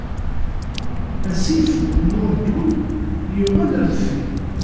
Asif n Uṛdun yuɣal ɣer deffir.